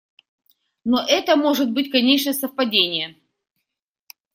Но это может быть, конечно, совпадение.